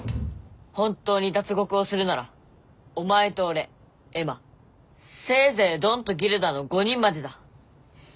本当に脱獄をするならお前と俺エマせいぜいドンとギルダの５人までだ。